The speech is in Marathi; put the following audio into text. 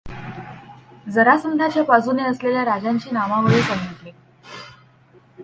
जरासंधाच्या बाजूने असलेल्या राजांची नामावळी सांगितली.